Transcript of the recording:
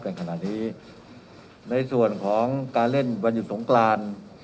ขณะนี้ในส่วนของการเล่นวันหยุดสงกราน